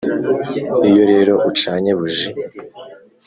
iyo rero ucanye buji